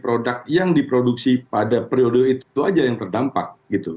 produk yang diproduksi pada periode itu aja yang terdampak gitu